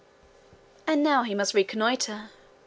And now he must reconnoitre.